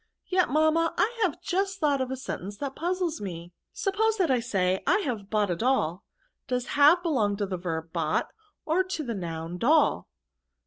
Yet, mamma^ I have just thought of a sentence that puzzles me. Sup pose that I say 9 I have bought a doll; does have belong to the verb bought, or to the noun doll?